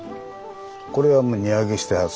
これはもう荷揚げしたやつか。